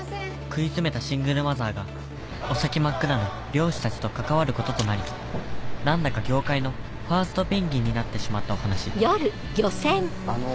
食い詰めたシングルマザーがお先真っ暗の漁師たちと関わることとなり何だか業界のファーストペンギンになってしまったお話あの。